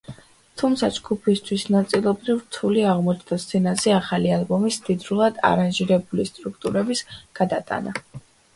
თუმცა, ჯგუფისათვის ნაწილობრივ რთული აღმოჩნდა სცენაზე ახალი ალბომის მდიდრულად არანჟირებული სტრუქტურების გადატანა.